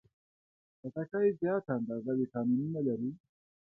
خټکی زیاته اندازه ویټامینونه لري.